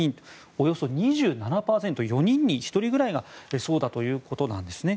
およそ２７％で４人に１人ぐらいがそうだということなんですね。